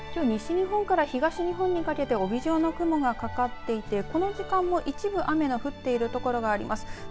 西日本から東日本にかけて帯状の雲がかかっていてこの時間も一部雨が降っている所があります。